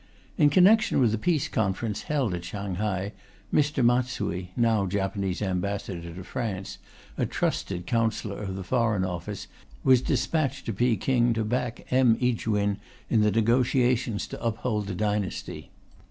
In connection with the peace conference held at Shanghai, Mr. Matsui (now Japanese Ambassador to France), a trusted Councillor of the Foreign Office, was dispatched to Peking to back M. Ijuin in the negotiations to uphold the dynasty.